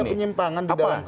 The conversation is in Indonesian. ada penyimpangan di dalam kpk